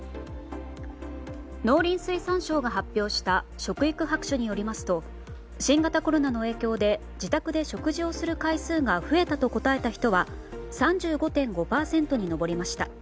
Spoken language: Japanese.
農林水産省が発表した「食育白書」によりますと新型コロナの影響で自宅で食事をする回数が増えたと答えた人は３５．５％に上りました。